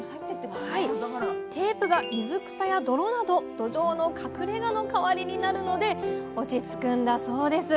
テープが水草や泥などどじょうの隠れがの代わりになるので落ち着くんだそうです